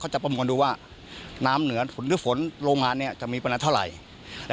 เขาจะประมวลดูว่าน้ำเหนือหรือฝนโรงงานเนี่ยจะมีประหมดไหล